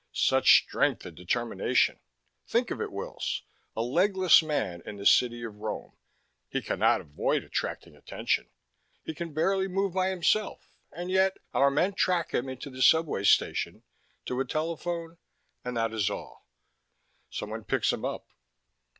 Such strength and determination! Think of it, Wills, a legless man in the city of Rome. He cannot avoid attracting attention. He can barely move by himself. And yet, our men track him into the subway station, to a telephone ... and that is all. Someone picks him up.